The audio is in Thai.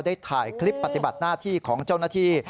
ได้ถ่ายคลิปปฏิบัติหน้าที่ของเจ้าหน้าที่